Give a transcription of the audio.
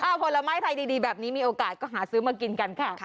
ผลไม้ไทยดีแบบนี้มีโอกาสก็หาซื้อมากินกันค่ะ